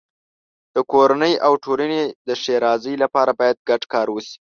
د کورنۍ او ټولنې د ښېرازۍ لپاره باید ګډ کار وشي.